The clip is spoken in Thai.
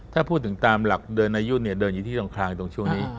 ถ้าพูดถึงตามหลักเดินอายุเดินอยู่ที่ข้ามตรงช่วงนี้